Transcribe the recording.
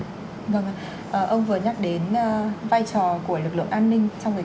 ông vừa nhắc đến vai trò của lực lượng an ninh